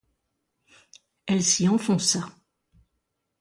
Elle s’y enfonça.